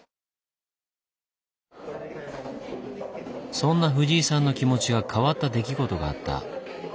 そんな藤井さんの気持ちが変わった出来事があった。